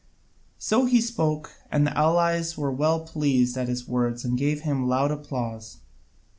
So he spoke, and the allies were well pleased at his words and gave him loud applause.